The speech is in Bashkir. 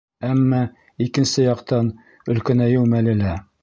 Әммә, икенсе яҡтан, өлкәнәйеү мәле лә.